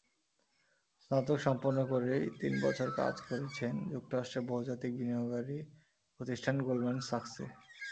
স্নাতক সম্পন্ন করেই তিন বছর কাজ করেছেন যুক্তরাষ্ট্রের বহুজাতিক বিনিয়োগকারী প্রতিষ্ঠান গোল্ডম্যান সাকসে।